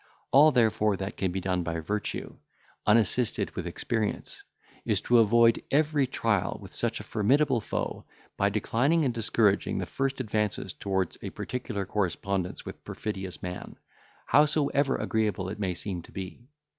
All therefore that can be done by virtue, unassisted with experience, is to avoid every trial with such a formidable foe, by declining and discouraging the first advances towards a particular correspondence with perfidious man, howsoever agreeable it may seem to be.